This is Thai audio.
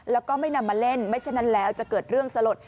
แล้วก็ไม่นำมาเล่นไม่เช่นนั้นแล้วจะเกิดเรื่องสลด